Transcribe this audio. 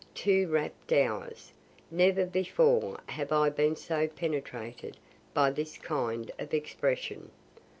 Two rapt hours. Never before have I been so penetrated by this kind of expression.